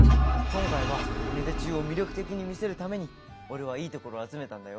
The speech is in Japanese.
今回は芽出中を魅力的に見せるために俺はいいところを集めたんだよ。